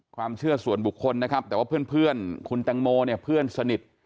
ความเชื่อส่วนบุคคลนะครับแต่ว่าเพื่อนคุณแตงโมเนี่ยเพื่อนสนิท